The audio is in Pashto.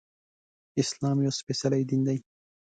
اسلام يو سپيڅلی دين دی